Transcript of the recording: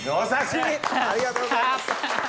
ありがとうございます！